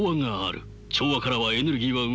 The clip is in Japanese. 調和からはエネルギーは生まれない。